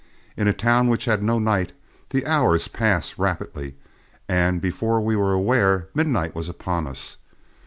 In a town which has no night, the hours pass rapidly; and before we were aware, midnight was upon us.